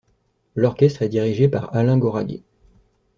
L'orchestre est dirigé par Alain Goraguer.